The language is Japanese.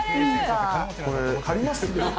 これ借ります？